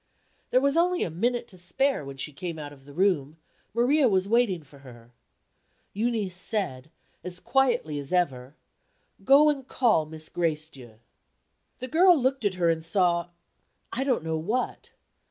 There was only a minute to spare when she came out of the room. Maria was waiting for her. Euneece said, as quietly as ever: "Go and call Miss Gracedieu." The girl looked at her, and saw I don't know what.